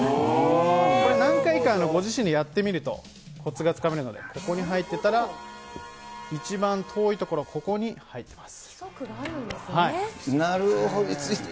これ、何回かご自身でやってみるとこつがつかめますので、ここに入ってたら一番遠いところ、ここに入ってます。